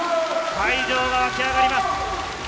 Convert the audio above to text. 会場が沸きあがります。